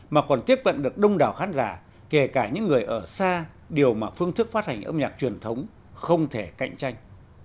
mà còn tiếp cận được đông đảo khán giả kể cả những người ở xa điều mà phương thức phát hành âm nhạc truyền thống không thể cạnh tranh